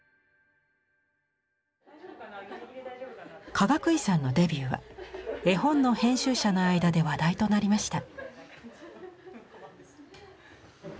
かがくいさんのデビューは絵本の編集者の間で話題となりました。